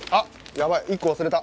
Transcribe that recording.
やばい１個忘れた。